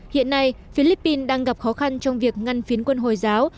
hiện nay philippines đang gặp khó khăn trong việc ngăn phiến quân hồi giáo